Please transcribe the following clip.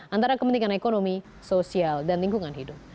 antara kepentingan ekonomi sosial dan lingkungan hidup